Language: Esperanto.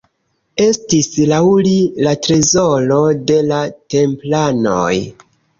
Estis laŭ li la trezoro de la templanoj.